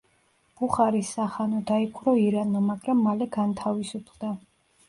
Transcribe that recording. ბუხარის სახანო დაიპყრო ირანმა, მაგრამ მალე განთავისუფლდა.